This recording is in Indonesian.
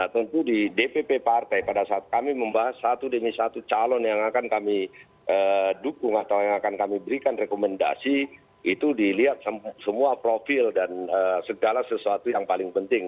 tentu di dpp partai pada saat kami membahas satu demi satu calon yang akan kami dukung atau yang akan kami berikan rekomendasi itu dilihat semua profil dan segala sesuatu yang paling penting